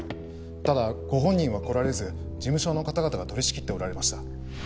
ただご本人は来られず事務所の方々が取り仕切っておられました。